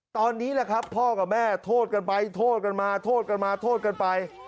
ตอนนี้แหละครับพ่อกับแม่โทษกันไปโทษกันมาโทษกันมาโทษกันไป